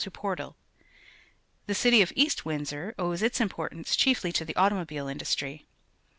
to portal. The city of East Windsor owes its importance chiefly to the automobile indu.stry.